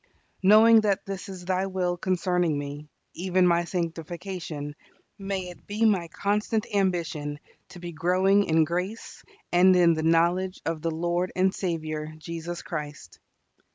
Knowing that this is Thy will concerning me, even my sanctification, may it be my constant ambition to be growing in grace and in the knowledge of the Lord and Saviour Jesus Christ.